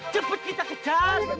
cepat kita kejar